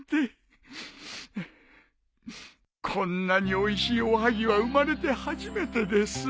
こんなにおいしいおはぎは生まれて初めてです。